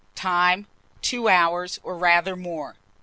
Time. 2 hours, or rather more.